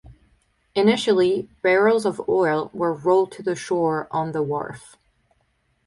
Initially barrels of oil were rolled to shore on the wharf.